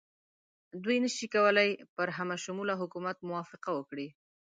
دوی نه شي کولای پر همه شموله حکومت موافقه وکړي.